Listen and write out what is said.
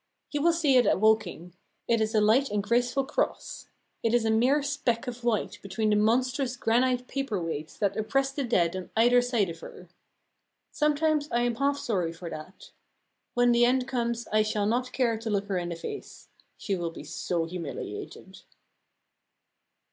You will see it at Woking. It is a light and graceful cross. It is a mere speck of white between the monstrous granite paperweights that oppress the dead on either side of her. Sometimes I am half sorry for that. When the end comes I shall not care to look her in the face she will be so humiliated.